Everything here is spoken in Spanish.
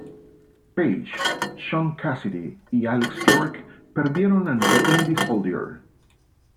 Page, Sean Cassidy y Alex York perdieron ante Indy Soldier.